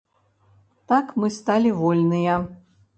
Так мы сталі вольныя.